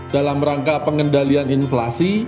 dalam rangka pengendalian inflasi